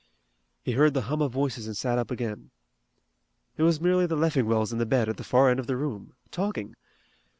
He heard the hum of voices and sat up again. It was merely the Leffingwells in the bed at the far end of the room, talking!